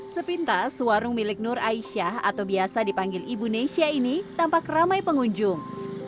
sepintas warung milik nur aisyah atau biasa dipanggil ibu nesya ini tampak ramai pengunjung